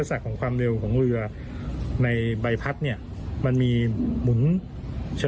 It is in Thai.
ลักษณะของความเร็วของเรือในใบพัดเนี่ยมันมีหมุน